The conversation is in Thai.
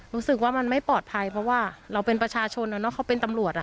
รู้สึกว่ามันไม่ปลอดภัยเพราะว่าเราเป็นประชาชนเขาเป็นตำรวจ